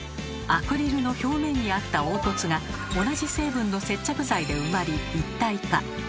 アクリルの表面にあった凹凸が同じ成分の接着剤で埋まり一体化。